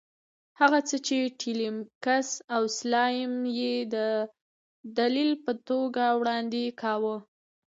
هغه څه چې ټیلمکس او سلایم یې دلیل په توګه وړاندې کاوه.